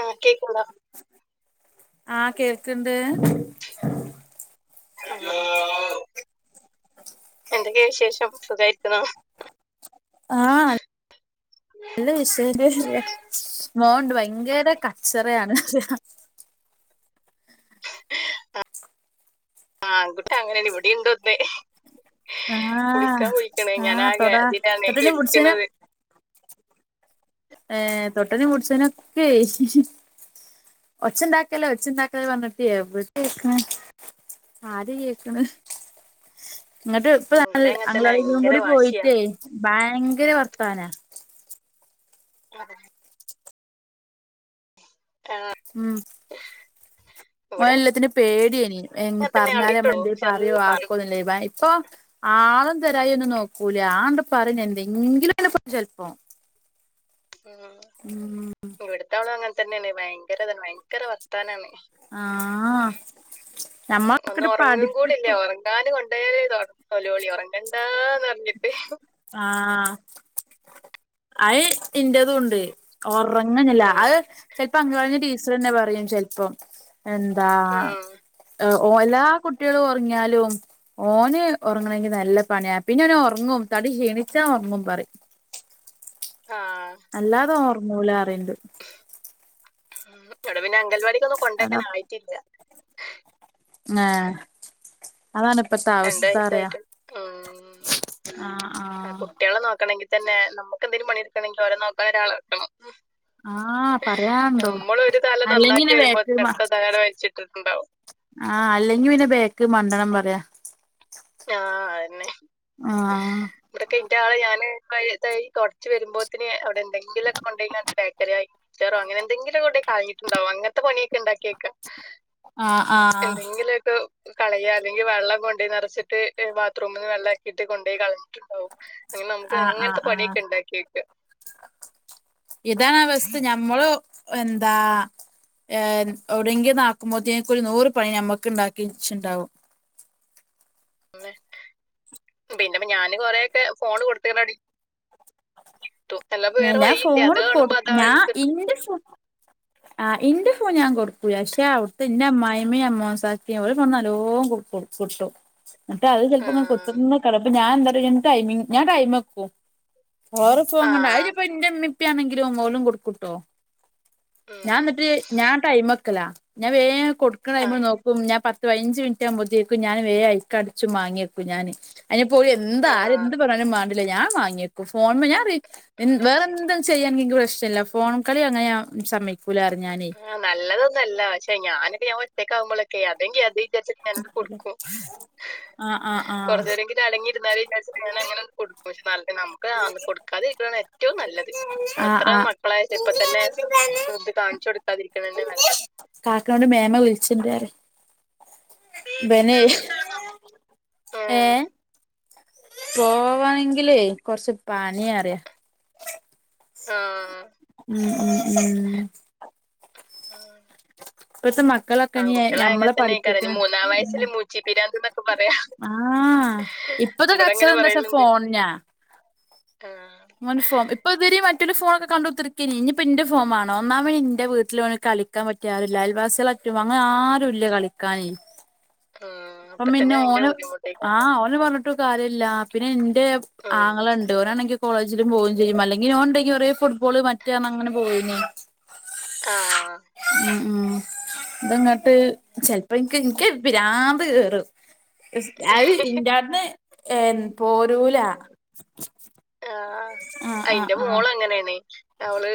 ആ കേക്കണ്ടോ ആഹ് കേൾക്കിണ്ട്. [unintelligible] എന്തൊക്കെയാ വിശേഷം സുഖായിരിക്ക്ണോ? ആഹ് അൽ നല്ല വിശേഷാറ്യ മോണ്ട് ഭയങ്കര കച്ചറയാണ് അഹ് ആങ്കുട്ടി അങ്ങനെ ന്നെ ഇവടീണ്ടൊന്ന്. കുളിക്കാ ആഹ് പോയിക്കാണ് ആഹ് തൊടാ ഞാനാകതിനാണ് തൊട്ടനേം പുടിച്ചേനേം എട്ക്ക്ണത്. ഏഹ് തൊട്ടേനും പുടിച്ചേനെക്കെയ് ഒച്ചണ്ടാക്കല്ലെ ഒച്ചണ്ടാക്കല്ലെ പർഞ്ഞിട്ട് എവിടേക്ക്ണ് ആര് കേക്ക്ണ്? ഇങ്ങട്ട് ഇപ്പ ഉം, ഇവിടെ നല്ല അങ്ങനെ തന്നെ അംഗളാടീലും ഭയങ്കര കൂടി വാശിയാ പോയിട്ടേ ഭയങ്കര വർത്താനാ [unintelligible] ആ, ഉം. ഇവിടെ ഓനെല്ലത്തിനും പേട്‌യേനി അങ്ങനെ തന്നെ അളിയിട്ടുള്ളൂ പർഞ്ഞാലമ്മളെന്തേലും പറ്‌യോ ചെറിയ പാടും ആക്കോന്നല്ലേ ഇപ്പൊ ആളും തരായി ഒന്നും നോക്കൂല ആണ്ട് പറ്യന്നെഎന്തെങ്കിലുണ്ട് ചെൽപ്പം. ഉം. ഉം. ഇവടത്താളും അങ്ങൻതന്നെണ് ഭയങ്കരതാണ് ഭയങ്കര വർത്താനാണെ- ആഹ് ഞമ്മളൊക്കണ്ട് പഠിപ്പിക്കും. ങ്ങാന് കൊണ്ടോയാലെ ന്നൊലോളി ഒറങ്ങണ്ടാന്നർഞ്ഞിട്ട്. ആഹ്. അയ് ഇന്റതൂണ്ട് ഒറങ്ങന്നില്ല ഉം, അഹ് ചെൽപ്പോ അംഗലാടീന്ന് ടീച്ചറന്നെ പറ്യും ചെൽപ്പോ എന്താ ഉം, ഒ ഓലാ കുട്ടികളും ഒർങ്ങ്യാലും ഓന് ഒറങ്ങണെങ്കി നല്ല പണ്യാ പിന്നോനൊർങ്ങും തടി ക്ഷീണിച്ചാ ഒർങ്ങും പറിം. ആഹ്. അല്ലാതെ ഓ ഒർങ്ങൂലാറീണ്ട്. ഇവിടെ പിന്നെ അംഗൽവാടിക്കൊന്നും അതാ കൊണ്ടാക്കാൻ ആയിട്ടില്ല ങാഹ് അതാണ് ഇപ്പത്തെ രണ്ട് വയസായിട്ട് ഉം ആഹ് ആ ആഹ് കുട്ട്യളെ നോക്കണെങ്കി തന്നെ നമുക്കെന്തെങ്കിലും പണിഎടുക്കണെങ്കി ഓര നോക്കാൻ ഒരാളെ വക്കണം ആഹ് പറയാണ്ടോ നമ്മൾ ഒരു തല അല്ലെങ്കി നന്നാക്കി പിന്നെ വരുമ്പോ വേക്ക് മാ അടുത്ത തലയുടെ വലിച്ചിട്ടിട്ടുണ്ടാവും ആഹ് അല്ലെങ്കി പിന്നെ ബേക്ക് മണ്ടണം പറയാ ആ അതന്നെ ആഹ് ഇവിടൊക്കെ ഇന്റെ ആള് ഞാന് [unintelligible] തൊടച്ച് വരുമ്പോത്തിന് അവിടെ എന്തെങ്കിലൊക്കെ കൊണ്ടയ്ക്കാണ്ട് ടേയ്റ്റാറായ് മിച്ചർ അങ്ങനെന്തെങ്കിലും കൊണ്ടയ് കളഞ്ഞിട്ടുണ്ടാവും അങ്ങനത്തെ പണിയക്കെ ഇണ്ടാക്കി ആഹ് ആഹ് എന്തെങ്കിലൊക്കെ കളയ അല്ലെങ്കി വെള്ളം കൊണ്ടോയി നിറച്ച ട്ട് ബാത്ത്റൂമിന്ന് വെള്ളാക്കിയിട്ട് കൊണ്ടോയി കളഞ്ഞിട്ടുണ്ടാവും അങ്ങനെ നമുക്ക് ആഹ് ആഹ് അങ്ങൻത്തെ ആഹ് പണിയൊക്കെ ഉണ്ടാക്കി ഇതാണ് അവസ്ഥ ഞമ്മള് എന്താ ഏഹ് ഔടെങ്കിന്ന് ആക്കുമ്പോത്തേക്ക് ഒരു നൂറ് പണി നമുക്ക് ഉണ്ടാക്കി വച്ചുണ്ടാവും ഉന്നെ പിന്നെപ്പ ഞാന് കൊറയൊക്കെ ഫോണ് കൊടുത്ത് റെഡി വേറെ ഞാൻ വഴിയില്ല അത് ഫോണ് കൊടു കാണുമ്പോ അതാ ഞാൻ എടുക്കും ഇന്റെ ഫോൺ ആഹ് ഇന്റെ ഫോൺ ഞാൻ കൊടുക്കൂല്ല പക്ഷേ അവിടുത്തെ ഇന്റെ അമായിമ്മിം അമ്മോസാക്കിം ഓല് ഫോൺ നല്ലോം കൊടുക്കും കിട്ടും എന്നിട്ട് അത് ആ ചെലപ്പോ ഇങ്ങനെ കുത്തർന്ന് കള അപ്പൊ ഞാൻ എന്തറിയോ ടൈമിംഗ് ഞാൻ ടൈമക്കും ഓറ ഫോണ് ആ കണ്ടാ അയിനിപ്പോ ഇൻ്റെ ഇ നിത്തിണെങ്കിലും ഓലും കൊടുക്കൂട്ടോ ഞാൻ ഉം എന്നിട്ട് ഞാൻ ടൈമക്കലാ ഞാൻ വേം കൊടുക്ക്ണ ആ ടൈമ് നോ ക്കും ഞാൻ പത്ത് പയിനഞ്ച് മിനിറ്റ് ആകുമ്പോത്തേക്കും ഞാൻ വേ അയിക്ക് അടച്ചും മാങ്ങിവക്കും ഞാന് അയിനിപ്പോ ഓല് എന്താ ആ ആര് എന്ത് പറഞ്ഞാലും മാണ്ടില്ല ഞാൻ വാങ്ങിയേക്കും ഫോണ് ഞാൻ പറിം ആ വേറെന്തും ചെയ്യാണെങ്കി ഇൻക്ക് പ്രശ്നം ഇല്ല ഫോണ് കളി അങ്ങനെ ഞാൻ സമ്മയ്ക്കൂല പറിം ഞാനേ ആഹ് നല്ലതൊന്നുല്ല പക്ഷെ ഞാനിത് ഞാൻ ഒറ്റയ്ക്കാവുമ്പോളൊക്കെ അതെങ്കി അത് വിചാരിച്ചിട്ട് ഞാനാണ്ട് കൊടുക്കും ആഹ് ആഹ് ആഹ് കുറച്ചേരങ്കിലും അടങ്ങിയിരുന്നാല് വിചാരിച്ച് ഞാൻ അങ്ങനെ കൊടുക്കും പക്ഷെ നല്ല നമുക്ക് കൊടുക്കാതെ നിക്കണാണ് ഏറ്റവും നല്ലത് ആണ് ആഹ് അത്ര ആഹ് മക്കളായ ഇപ്പ തന്നെ ഇത് കാണിച്ചു കൊടുക്കാതിരിക്കണന്നെ നല്ലത് കാക്കനോണ്ട് മേമ വിളിച്ചിണ്ട് പറി ഇബന്നെ ഏഹ് പോവാങ്കിലേ കൊറച്ച് പണിയറിയാ ആഹ് ഉം ഉം ഉം ആഹ് ഇപ്പത്തെ മക്കളൊക്കെ ഇനി ആൺകുട്ടികളായ അങ്ങനെ ഞമ്മളെ തന്നെക്കാരം പഠിപ്പിക്കണ ആനി മൂന്നാം വയസ്സില് മൂച്ചി പിരാന്തും പ ആഹ് ഇപ്പത്തെ കച്ചറ എന്താ വച്ചാ ഫോണിനാ ആഹ് ഓന് ഫോ ഇപ്പോ ഇതുവരെ മറ്റൊരു ഫോണൊക്കെ കണ്ടു കുത്തിരിക്കേനി ഇഞ്ഞിപ്പോ ഇന്റെ ഫോൺ വാണം ഒന്നാമത് ഇന്റെ വീട്ടില് ഓന് കളി കളിക്കാൻ പറ്റിയ ആരുല്ല അയൽവാസികളറ്റും അങ്ങനെ ആരുല്ല കളിക്കാന് ആ, അപ്പം അപ്പൊ തന്നെ പിന്നെ ഭയങ്കര ഓന് ബുദ്ധിമുട്ടായി ആ ഓനെ പറഞ്ഞിട്ടും കാര്യല്ല പിന്നെ ഇന്റെ ആങ്ങളണ്ട് ഒനാണെങ്കി കോളേജിലും പോവും ചെയ്യും അല്ലെങ്കി ഓന്ണ്ടെങ്കി കൊറേ ഫുട്ബോള് മറ്റെ അങ്ങനെ പോവേനി ആഹ് ഉം ഉം ഇതങ്ങട്ട് ചെലപ്പോ ഇൻക്ക് ഇൻക്ക് പിരാന്ത് കേറും ഇസ് അഹ് ഇൻ്റോട്ന്ന് ഏ് പോരൂല ആഹ് ആഹ് ആഹ് അഇന്റെ ആഹ് മോള് അങ്ങനേണ് അവള്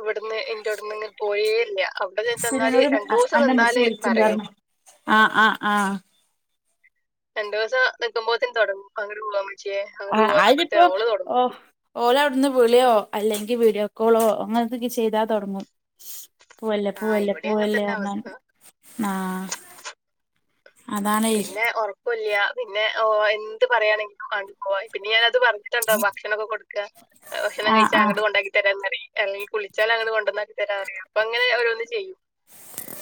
ഇവട് ട്ന്ന് ഇൻ്റോട്ന്ന് ഇങ് പോരേ ഇല്ല അവ്ടെ ചെന്ന് ചെന്നാല് സിനുനോട് രണ്ടൂസം അന്റെമ്മച്ചി നിന്നാല് പറയും വിളിച്ചിണ്ടാർന്നു ആഹ് ആഹ് ആഹ് രണ്ടൂസം നിക്കുമ്പോത്തിന് താെടങ്ങും അങ്ങട്ട് പോവാ ഇമ്മച്ചിയേ അങ്ങട്ട് പോവാന്നർഞ്ഞ് ഓള് താെട്ങ്ങും ഓല് അവ്ട്ന്ന് വിളിയോ അല്ലെങ്കി വീഡിയോ കോളോ അങ്ങനെത്തെക്കെ ചെയ്താ താെട്ങ്ങും പാേവല്ലേ ആ പോവല്ലേ ഇവിടെ അങ്ങനെ പോവല്ലേ തന്നെ അവസ്ഥ ന്നർഞ്ഞ് ആഹ് അതാണേ പിന്നെ ഒർ ർകൊല്ലാ പിന്നെ ഓ എന്ത് പറയാണെങ്കിലും ആഹ് ഓ പിന്നെ ഞാന് അത് പറഞ്ഞു ച്ചണ്ടോ ഭക്ഷണൊക്കെ കൊട്ക്കാ ഭക്ഷണം ആഹ് കഴിച്ചാ ആഹ് അങ്ങട്ട് കൊണ്ടാക്കി തരാന്ന്റയും അല്ലെങ്കി കുളിച്ചാലാഅങ്ങനെ കൊണ്ടന്നാക്കി തരാറയും അപ്പഅങ്ങനെ ഓരോന്ന് ചെയ്യും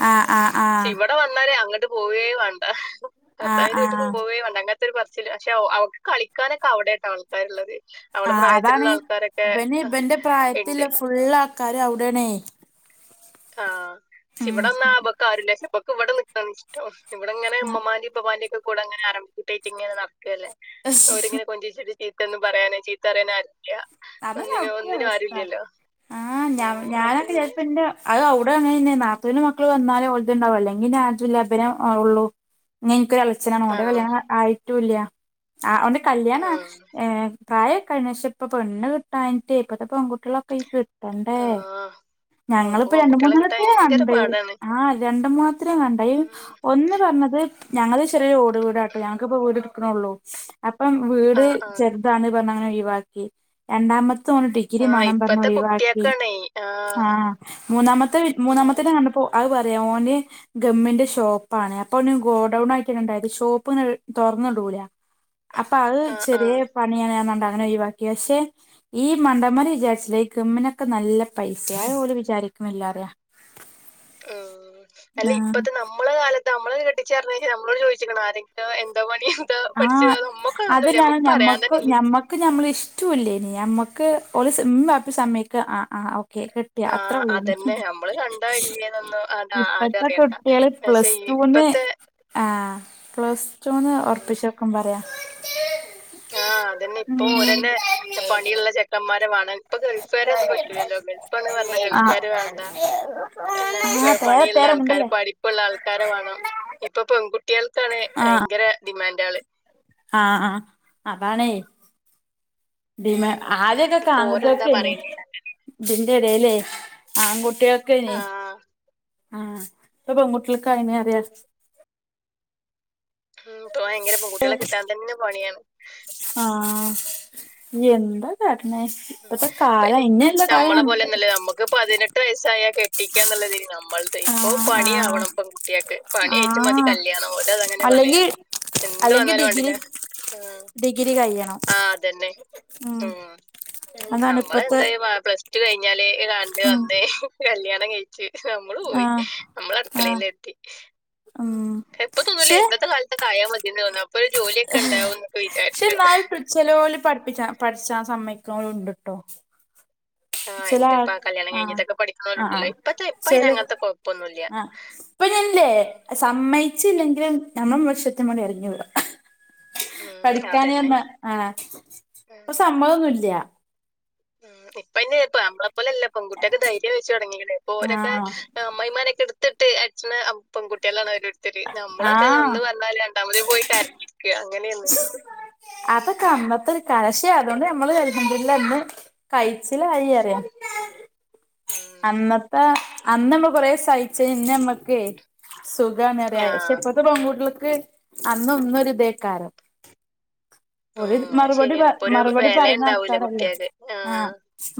ആഹ് ആഹ് ആഹ് അവിടെ വന്നാലേ അങ്ങട്ട് പോവേ വാണ്ട ആഹ് ഭർത്താവിന്റെ വീട്ട്ക്ക് ആഹ് പോവേ വേണ്ട അങ്ങൻ അങ്ങൻത്തൊരു പർച്ചില് പക്ഷെ ഓ അവക്ക് കളിക്കാനൊക്കെ അവിടെട്ടോ ആൾ ആഹ് അതാണ് ഇബന് ഇബന്റെ ഇണ്ട് പ്രായത്തില്ല ഫുള്ള്ആൾക്കാര് അവ്ടേണെ ആഹ് ക്ഷെ ഇവിടെന്നാ ഇബക്ക് ആരൂല്ല പക്ഷെ ഇബക്ക് ഇവടെ നിക്കണഷ് ട്ടം ഇവടെങ്ങനെ ഇമ്മമ്മാന്റിം ഇപ്പപ്പാന്റെ ഒക്കെ കൂടെ അങ്ങനെ ആരംഭ കുട്ട്യായ്റ്റ് ഇങ്ങനെ നടക്ക്ല്ലേ ഓര്ങ്ങനെ കൊഞ്ചറച്ചിട്ട് ചീത്തന്നും പറയാനേ ചീത്തറയാന് ആരൂല്ല അതന്നെ അവ്ടിത്തിം അവസ്ഥ ആഞ ഉം അപ്പൊ ഞാനൊക്കെ പിന്നെ ചെൽപ്പ ഇന്റെ അഅ് അവ്ടെ അങ്ങനെന്നെ നാത്തൂന്റെ മക്കള് വന്നാലെ ഓൽത്ണ്ടാവൂ അല്ലെങ്കിന്നെ ആര്തുല്ലനാജു ഇബന് ഒള്ളൂ ന്നെ ഇൻക്കൊരു എളച്ഛനാണ് ഓന്റെ ആഹ് കല്യാണം ആയിട്ടൂല്ല ആഹ് ഓന്റെ കല്യാണ ആഹ് ഏഹ് പ്രായക്കോ ആയിണ് ക്ഷെ ഇപ്പൊ പെണ്ണ് കിട്ടാഞ്ഞിട്ടെ ഇപ്പത്തെ പെങ്കുട്ട്യാളൊക്കെ ട്ടണ്ടേ ആഹ് അതിപ്പോ ഞങ്ങളിപ്പ രണ്ട് പെൺകുട്ടികളെ കിട്ടാൻ മൂന്നണ്ണത്തിന് ഭയങ്കര കണ്ട് പാടാണ് ആഹ് രണ്ട് മൂന്ന ത്രിം കണ്ടഅ് ഉം ഒന്ന് പർഞ്ഞത് ഞങ്ങത് ചെറേര് ഓട്- ട് വീടാട്ടോ ഞങ്ങക്ക്പ്പോ വീട് ഇട്ക്ക്ണൊള്ളൂ അപ്പം വീട് ആഹ് ആഹ് ചെർതാണ് പർഞ്ഞ അങ്ങനെ ഒഴിവാക്കി ക്കി രണ്ടാമത്തെ ഓന് ഡിഗ്രി ആഹ് മാണം പർഞ്ഞ് ഇപ്പത്തെ ഒഴിവാക്കി കുട്ടിയക്കാണേ ആഹ് മൂന്നാമത്തെ മൂന്നാമത്തത് കണ്ടപ്പോ അഅ് പറയാ ഓന് ഗമ്മിന്റെ ഷോപ്പാണ് അപ്പൊ ഓന് ഗോഡൌൺ ആയിട്ടാ ബണ്ടായത് ഷോപ്പ് ഇങ്ങനെയ് തൊർന്ന് ഇടൂല്ല അപ്പൊ അഅ് ആഹ് ചെറിയ ആഹ് പണിയാണ് ന്നർഞ്ഞാണ്ട് അങ്ങനെ ഒഴിവാക്കി പക്ഷെ ഈ മണ്ടന്മാര് വിചാരിചില്ല ഈ ഗമ്മിനൊക്കെ നല്ല പൈസാ അഅ് ഓല് വിചാരിക്ക്ണില്ലാർയാ [inaudible] ഉം അല്ല ഇപ്പത്തെ ന്നം നമ്മള കാലത്ത് നമ്മളെകെ കെട്ടിച്ചാന്നർഞ്ഞയ്ഞാ നമ്മളോട് ചോദിച്ചിക്ക്‌ണാ ആരെക്കേ എന്താ പണീന്ന് ആഹ് അതിനാണ് ഞമ്മക്ക് തന്നെ ഇല്ല ഞമ്മ ക്ക് ഞമ്മള ഇഷ്ടോല്ലേനി ഞമ്മക്ക് ഓല് സ് ഇമ്മിം വാപ്പിം സമ്മയ്ക്കാ ആഹ് ആഹ് ഓക്കെ കെട്ട് ട്ടാ ആഹ് അത്രഒള്ളേനി അതന്നെ നമ്മള് കണ്ടോ ഇല്ലേന്നൊന്നും അത് ആരും ഇപ്പത്തെ അറിയണ്ട കുട്ട്യാള് പക്ഷെ പ്ലസ് ടൂന്ന് ഇപ്പത്തെ ആഹ് പ്ലസ് ടൂന്ന് ഉം ഒർപ്പിച്ചെക്കും പറയാ ആഹ് അതന്നെ ഉം ഇപ്പൊ ഓരെന്നെ പണിള്ള ചെക്കന്മാരെ വേണം ഇപ്പ ഗൾഫാരെ ഒന്നും പറ്റൂലല്ലോ ഗൾഫാണ് പർഞ്ഞാ ആഹ് ഗൾഫാരെ വേണ്ട ഏ്ഹ് ഗ ആഹ് തേരെ പണിള്ള തേരെ ആൾക്കാെര മുണ്ടല്ലേ പഠിപ്പ്ള്ള ആൾക്കാരെ വേണം ഇപ്പൊ പെൺകുട്ട്യാൾക്കാ ആഹ് ഭയങ്കര ഡിമാൻഡാള് ആഹ് ആഹ് അതാണേ ഡിമാ ഉം അഹ് ആദ്യക്കെക്ക ഇപ്പൊ ഓരെന്താ ആൺകുട്യാക്കേനി പറയുന്നേ ഇതിന്റെ എടേലെ ആൺകുട്ട്- കുട്ട്യാക്കേയ്നി ആഹ് ആഹ്ഇപ്പൊ പെങ്കുട്ട്യാക്കായ്ന്അർയാ ഉം ഇപ്പൊ ഭയങ്കര പെൺകുട്ടികളെ കിട്ടാൻ തന്നെ പണിയാണ് ആഹ് ഇനിഎന്താ കാട്ട്ണ് ഉം ഇപ്പയ്ന് നമ്മളെ പോലെയോന്നല്ല നമ്മുക്ക് പതിനെട്ട് വയസ്സായാൽ കെട്ടിക്കാന്നുള്ളതേന് നമ്മൾ ഇപ്പൊ ആഹ് പണി ആഹ് ആവണം പെൺകുട്ടിയാൾക്ക് പണിആയിട്ട് മതി ആഹ് കല്യാണം ഓല് അതങ്ങനെ പറയാ അല്ലെങ്കി എന്ത് അല്ലെങ്കി വന്നാലും വേണ്ടില ഡിഗ്രി ആഹ് ഡിഗ്രി കഴിയണം ആഹ് അതന്നെ ഉം ആഹ് അതാണ് നമ്മള് ഇപ്പത്തെ എന്തായി പ്ലസ്ടു കഴിഞ്ഞാല് കണ്ട് ഉം വന്ന് കല്യാണം കഴി ച്ച് നമ്മള് പോയി ആഹ് നമ്മള് അടുക്കളയിലെത്തി ആഹ് ഇപ്പൊ തോന്നൂലേ പക്ഷെ ഇന്നത്തെ കാലത്തൊക്കെ ആയാൽ മതിന്ന് തോന്നു അപ്പൊ ഒരു ജോലിയൊക്കെണ്ടാവോ എന്നൊക്കെ വിചാരിച്ചു ചെലോല് പഠിപ്പിച്ചാ പഠിച്ചാ സമ്മയ്ക്ക്‌ണോലുണ്ട്ട്ടോ. ആഹ് ഇണ്ട് ചെലാൾ ഇപ്പ കല്യാണം ആഹ് കഴിഞ്ഞിട്ടൊക്കെ അ പഠിക്കുന്നവരുണ്ടല്ലോ ആഹ് ഇപ്പത്തെ ഇപ്പ അയിന് ചെലേ അങ്ങനത്തെ കൊഴപ്പൊന്നുല്ല ആഹ് ഇപ്പൊ ഞാല്ലേ ഉം സമ്മയിച്ല്ലെങ്കിലും നമ്മളെ വൃക്ഷത്തിമ്മൂടി ഇറങ്ങി വരാ. ഉം അതന്നെ പഠിക്കാനർഞ്ഞാ ആഹ് ഉം ഇപ്പൊ സമ്മതൊന്നുല്ല്യ. ഉം ഇപ്പയ്ന് ഞമ്മളെ പോലെല്ല. പെങ്കുട്ടിയേക്ക് ധൈര്യം വെച്ച് തൊടങ്ങീക്ക്‌ണ്. ഇപ്പോ ഓരൊക്കെ ആഹ് അമ്മായ്മാനൊക്കെ ഇട്ത്തിട്ട് അട്ചിണെ പെൺ പെങ്കുട്ടിയേളാണ് ഓരോരുത്തര്. ഞമ്മളൊക്കെ ആഹ് ഒന്ന് പർഞ്ഞാല് രണ്ടാമത് പോയി കരഞ്ഞിരിക്കാ അങ്ങനേണ്. അതൊക്കെ അന്നത്തൊരു കാലം. പക്ഷെ അതുകൊണ്ട് ഞമ്മള് അൽഹംദുലില്ലാഹ് ഇന്ന് കയ്ച്ചിലായിറയാ. ഉം അന്നത്ത അന്നമ്മള് കൊറേ സഹിച്ചേനിന്നമ്മക്കെ സുഖാണറിയ പക്ഷെ ആഹ് ഇപ്പത്തെ പെൺകുട്ടിൾക്ക് അന്നൊന്നൊരിതേക്കാരം. ഓല് ഉം അത് മറുപടി പ ശരിയാണ് ഇപ്പൊ ഒരു മറുപടി വെല പറയുന്ന ഇണ്ടാവൂല ആൾക്കാരല്ലേ? കുട്ടികൾക്ക് ആഹ്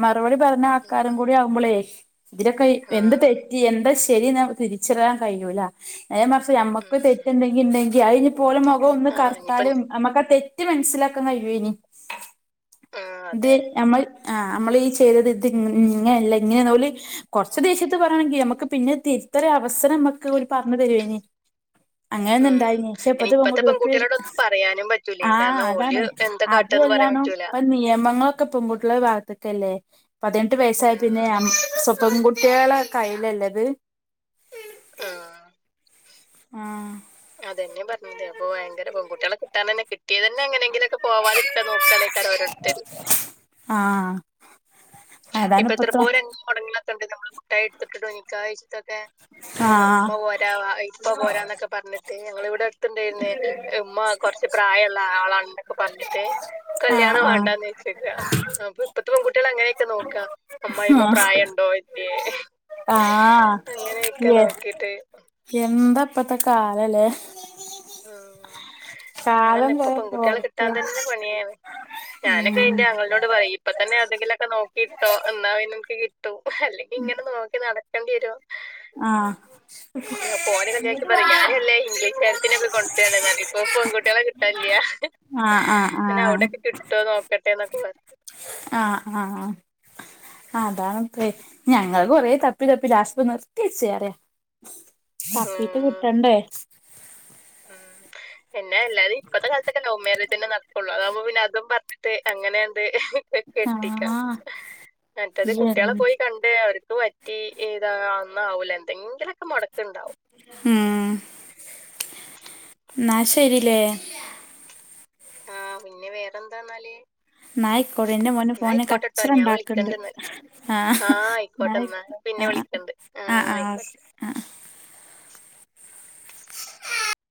മറുപടി പറീണ ഉം ആൾക്കാരും കൂടി ആവു മ്പളെ ഇതിലൊക്കെ എന്ത് ആഹ് തെറ്റ്‌ എന്താ ശരീന്ന് തിരിച്ചറിയാൻ കയ്യൂല. നേരെ മർച്ച് ഞമ്മക്ക് ഉം തെറ്റെന്തെങ്കിണ്ടെങ്കി അയിഞ്ഞിപോലെ മുഖം ഒന്ന് ആഹ് ഇനിയിപ്പം കർത്താലും ഞമ്മക്കാ തെ റ്റ്‌ മനസ്സിലാക്കൻ കയ്യോയ്നി. ആഹ് അതെ ഇത് ഞമ്മള് ആഹ് അമ്മളീചെയ്തത് ഇത് ഇങ്ങനെല്ല ഇങ്ങനേന്നോല് കൊർച്ച ദേശ്യത്ത് പർ ഞ്ഞാണെങ്കി ഞമ്മക്ക് പിന്നെത് തിര്ത്താ ഒരു അവസരം ഞമ്മക്ക് ഓല് പർഞ്ഞ് തരുവേനി. അങ്ങനൊന്ന് ഉം ഇണ്ടായിന് ക്ഷേ അയിന് ഇപ്പത്തെ പെങ്കുട്ടിയേൾക്ക് പെൺകുട്ടികളോടൊന്നും പറയാനും പറ്റൂല്ല. ആഹ് അതാണ്. അതുല്ലാനു പറ്റൂല ഇപ്പ നിയമങ്ങളൊ ക്കെ പെങ്കുട്ടിയെളെ ഭാഗത്ത്ക്കല്ലേ? പതിനെട്ട് വയസായ പിന്നെ ആഹ് ഞമ്മ പെങ്കുട്ടിയേളെ കയ്യിലല്ലേത്? ആഹ്. ആഹ്. അതന്നെ പറഞ്ഞത്. അപ്പോ ഭയങ്കര പെൺകുട്ടിയെളെ കിട്ടാനന്നെ കിട്ടിയതന്നെ എങ്ങനെങ്കിലുംക്കെ പോവാതിരിക്കാ നോ ക്കാനേക്കാരം ഓരോര്ത്തര് ആഹ് ഇപ്പ എത്ര പോരങ്ങനെ മൊടങ്ങ്ണൊക്കെണ്ട് ഞമ്മള് മുട്ടായി കൊട്ത്തിട്ട്ട്ടും നിക്കാഹെയ്ച്ചിട്ടൊക്കെ. ആ ഏഹ് ഉമ്മ പോരാ വാ ഇപ്പ പോരാന്നൊക്കെ പറഞ്ഞിട്ട് ഞങ്ങളെവ്ടെ അട്ത്തണ്ടായിര്ന്നേ ഉമ്മ കൊറച്ച് പ്രായള്ള ആളാണ്ന്നൊക്കെ പറഞ്ഞിട്ട് ആ കല്യാണം ആ വാണ്ടാന്ന് വെ ച്ച്ക്കാ അപ്പൊ ഇപ്പത്തെ പെങ്കുട്ടിയേള് അങ്ങനെക്കെ നോക്കാ. അമ്മായമ്മ ആ പ്രായണ്ടോ ഇല്ലേ ആഹ് അങ്ങനെക്കെ എ നോക്കിട്ട് എന്താ ഇപ്പത്തെ കാലല്ലേ? ആഹ് അതാണ് കാലം ഇപ്പൊ പോയ പെങ്കുട്ടിയേളെ കിട്ടാ പോക്ക് തന്നെ പണിയാണ്. ഞാനൊക്കെ ഉം ഇന്റെ ആങ്ങൾനോട് പറിയും ഇപ്പ തന്നെ എവടെങ്കിലൊക്കെ നോക്കിട്ടോ ഇന്നാ പിന്നെണക്ക് കിട്ടും അല്ലെങ്കിങ്ങനെ നോക്കി നടക്കണ്ടി വെരും. ആഹ് ഉം, അപ്പോന് ഇങ്ങട്ട് കല്യാണയ്ക്കുമ്പോ വാ പറീം ഞാന് വല്ല ഇംഗ്ലീഷ്കാരിയെ കൊണ്ടരാണ്ന്നറീം ഇപ്പോ പെങ്കുട്ടിയാളെ കിട്ടാ ഇല്ലാ ആഹ് പിന്നെ ആഹ് അവ്ടെക്കെ കിട്ടോനോക്കട്ടേന്നൊക്കെ പറീം. ആഹ് ആഹ് അതാണ്പ്പേ ഞങ്ങള് കൊറെ തപ്പി തപ്പി ലാസ്പ്പോ നിർത്തിയേച്ച് പറയാ. തപ്പീട്ട് ഉം കിട്ടണ്ടേ. ഉം. പിന്നെ എല്ലാരും ഇപ്പത്തെ കാലത്തൊക്കെ ലൗ മോരേജന്നെ നടക്കുള്ളൂ അതാവുമ്പോ പിന്നെ അതും പറഞ്ഞിട്ട് അങ്ങനെയാണ്ട് കെട്ടിക്കാ ആഹ് മറ്റത് കുട്ട്യാളെ പോയി കൺ [unintelligible] അവര്ക്ക് പറ്റി ഏതാ ഒന്നോവൂലാ എന്തെങ്കിലൊക്കെ മൊടക്ക്‌ണ്ടാവും. ഉം, ഇന്നാ ശരില്ലേ? ആഹ് പിന്നെ വേറെന്താന്നാല്? ഇന്നായ്ക്കോട്ടേ ഇന്റെ മോന് എന്നാ ഫോണിന് ആയിക്കോട്ടെട്ടോ ഞാൻ കച്ചറണ്ടാക്ക്ണ്ട്. വിളിക്കണ്ട് എന്നാല് ആഹ്, ആ ആയിക്കോട്ടെ എന്നാ ഇന്നായ്ക്കോട്ടെ പിന്നെ ആഹ് വിളിക്കണ്ട് ആ ആഹ് ആഹ് ആയിക്കോട്ടെ ഓക് ആഹ് ആഹ്